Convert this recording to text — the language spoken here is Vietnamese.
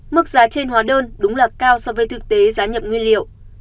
mức giá trên hóa đơn đúng là cao so với thực tế giá nhập nguyên liệu